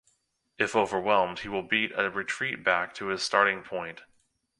If overwhelmed, he will beat a retreat back to his starting point.